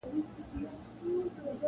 ازل مي دي په وینو کي نغمې راته کرلي-